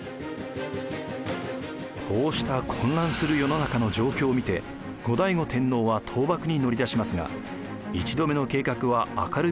こうした混乱する世の中の状況を見て後醍醐天皇は倒幕に乗り出しますが１度目の計画は明るみに出て失敗。